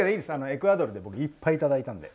エクアドルでいっぱいいただいたので。